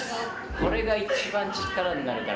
これが一番力になるから。